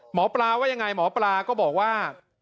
หมอปลาว่ายังไงหมอปลาก็บอกว่า